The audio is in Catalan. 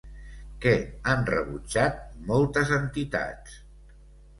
Què han rebutjat moltes entitats?